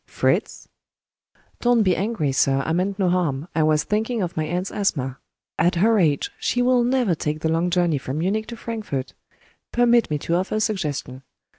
"Fritz!" "Don't be angry, sir, I meant no harm. I was thinking of my aunt's asthma. At her age, she will never take the long journey from Munich to Frankfort. Permit me to offer a suggestion.